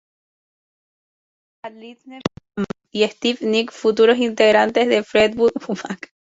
Allí conoció a Lindsey Buckingham y Stevie Nicks, futuros integrantes de Fleetwood Mac.